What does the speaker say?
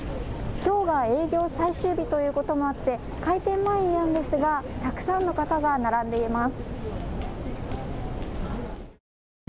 きょうは営業最終日ということもあって、開店前なんですがたくさんの方が並んでいます。